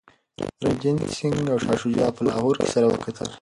رنجیت سنګ او شاه شجاع په لاهور کي سره وکتل.